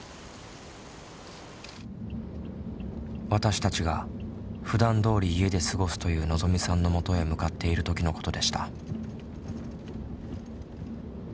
私たちがふだんどおり家で過ごすというのぞみさんのもとへ向かっている時のことでした。